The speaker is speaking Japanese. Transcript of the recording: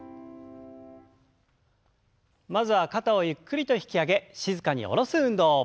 まずは肩をゆっくりと引き上げ静かに下ろす運動。